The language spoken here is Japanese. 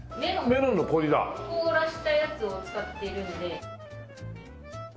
メロンを凍らせたやつを使っているので。